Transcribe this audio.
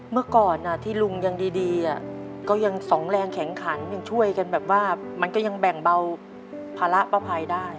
เมื่อก่อนที่ลุงยังดีก็ยังสองแรงแข็งขันยังช่วยกันแบบว่ามันก็ยังแบ่งเบาภาระป้าภัยได้